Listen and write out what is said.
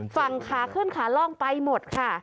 ฝั่งขาขึ้นขาล่องไปหมดค่ะ